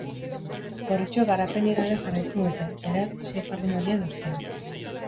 Gorritxoek garaipenik gabe jarraitzen dute, beraz, sei jardunaldiren ostean.